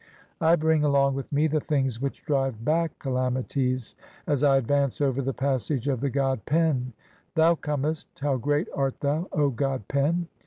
I bring "along with me the things which drive back (6) calamities as "I advance over the passage of the god Pen ; thou comest, how "great art thou, O god Pen